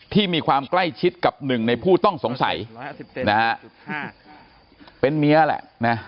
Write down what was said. มีความใกล้ชิดกับหนึ่งในผู้ต้องสงสัยนะฮะเป็นเมียแหละนะ